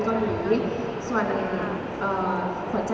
ที่มีความรู้สึกกว่าที่มีความรู้สึกกว่า